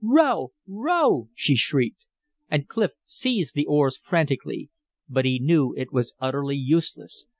"Row! Row!" she shrieked. And Clif seized the oars frantically. But he knew that it was utterly useless.